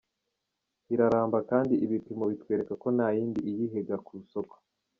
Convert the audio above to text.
Iraramba kandi ibipimo bitwereka ko nta yindi iyihiga ku isoko.